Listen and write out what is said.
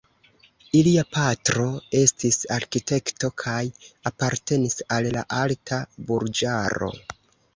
Ilia patro estis arkitekto kaj apartenis al la alta burĝaro.